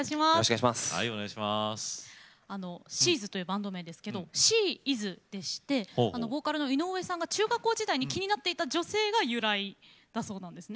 ＳＨＥ’Ｓというバンド名ですけれどＳｈｅｉｓでボーカルの井上さんが中学校のころに気になっていた女性が由来だそうです。